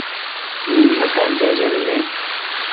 نین نہ تھال جاجمے یین۔